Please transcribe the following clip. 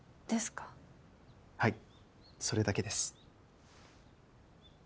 はいそれだけです。